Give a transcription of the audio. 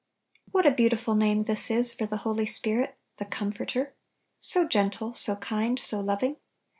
What a beautiful name this is for the Holy Spirit, " The Comforter !" so gentle, so kind, so loving.